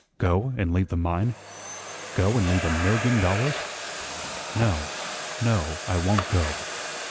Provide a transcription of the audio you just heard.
"Go, and leave the mine? Go and leave a million dollars? No, NO, I won't go.